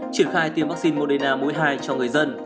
triển khai tiêm vaccine moderna mối hai cho người dân